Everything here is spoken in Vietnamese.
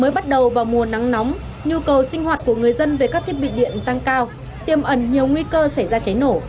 mới bắt đầu vào mùa nắng nóng nhu cầu sinh hoạt của người dân về các thiết bị điện tăng cao tiêm ẩn nhiều nguy cơ xảy ra cháy nổ